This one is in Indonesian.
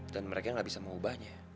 dan mereka enggak bisa mengubahnya